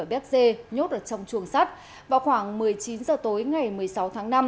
bét dê nhốt ở trong chuồng sắt vào khoảng một mươi chín h tối ngày một mươi sáu tháng năm